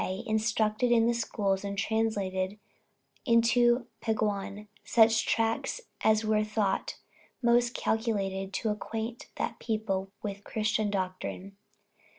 instructed in the schools and translated into Peguan such tracts as were thought most calculated to acquaint that people with Christian doctrine.